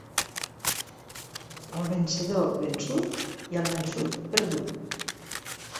El vencedor, vençut, i el vençut, perdut.